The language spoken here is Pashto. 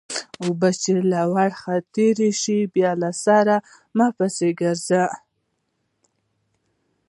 اوبه چې تر ورخ تېرې شي؛ بیا سر مه پسې ګرځوه.